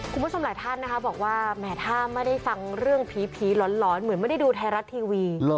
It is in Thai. คุณผู้ชมหลายท่านนะคะบอกว่าแหมถ้าไม่ได้ฟังเรื่องผีหลอนเหมือนไม่ได้ดูไทยรัฐทีวี